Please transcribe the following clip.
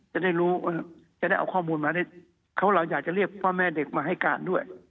จะได้รู้ว่าจะได้เอาข้อมูลมาเขาเราอยากจะเรียกพ่อแม่เด็กมาให้การด้วย